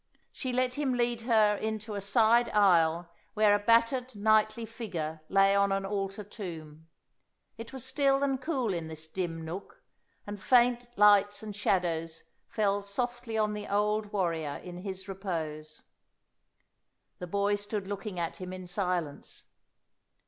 She let him lead her into a side aisle where a battered knightly figure lay on an altar tomb. It was still and cool in this dim nook, and faint lights and shadows fell softly on the old warrior in his repose. The boy stood looking at him in silence.